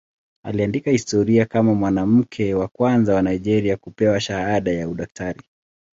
Aliandika historia kama mwanamke wa kwanza wa Nigeria kupewa shahada ya udaktari.